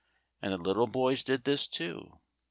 And the little boys did this too.